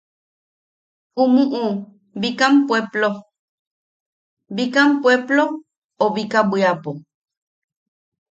Umuʼu Bikam Pueplo... Bikam Pueplo o Bika Bwiapo.